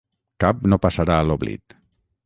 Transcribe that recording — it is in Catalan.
Cap no passarà a l’oblit.